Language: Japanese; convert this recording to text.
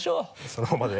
そのままで。